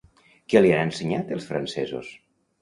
Què li han ensenyat els francesos?